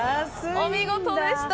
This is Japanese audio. お見事でした。